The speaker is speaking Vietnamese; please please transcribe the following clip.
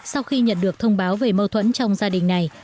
sau khi nhận được thông báo về mâu thuẫn trong gia đình này